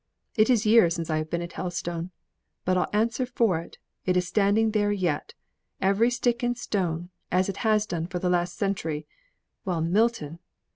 It is years since I have been at Helstone but I'll answer for it, it is standing there yet every stick and every stone as it has done for the last century, while Milton!